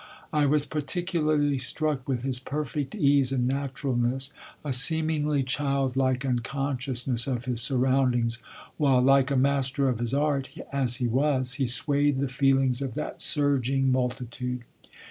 I was particularly struck with his perfect ease and naturalness, a seemingly childlike unconsciousness of his surroundings, while, like a master of his art, as he was, he swayed the feelings of that surging multitude.